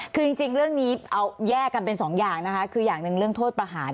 คือจริงเรื่องนี้เอาแยกกันเป็นสองอย่างนะคะคืออย่างหนึ่งเรื่องโทษประหาร